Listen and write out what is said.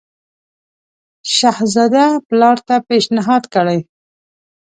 شهزاده پلار ته پېشنهاد کړی.